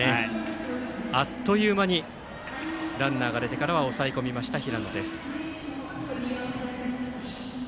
あっという間にランナーが出てからは抑え込みました、平野。